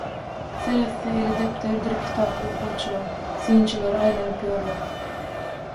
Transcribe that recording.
Seretse eli depderdir kitaply okuwçylar, synçylar aýlanyp ýörler.